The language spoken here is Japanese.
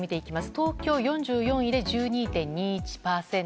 東京４４位で１２．２１％